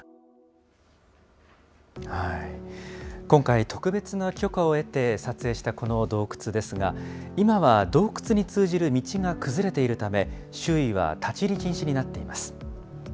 今回、特別な許可を得て撮影したこの洞窟ですが、今は洞窟に通じる道が崩れているため、周囲は立入禁止になっています。